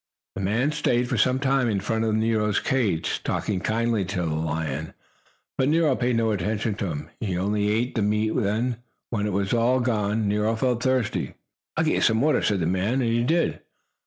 The man stayed for some time in front of Nero's cage, talking kindly to the lion, but Nero paid no attention to him. He only ate the meat. Then, when it was all gone, Nero felt thirsty. "I'll get you some water," said the man, and he did.